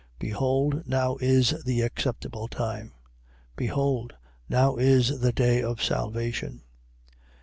Behold, now is the acceptable time: behold, now is the day of salvation.